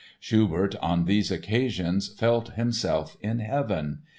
Schubert on these occasions felt himself in heaven!